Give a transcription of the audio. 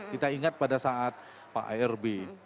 kita ingat pada saat pak arb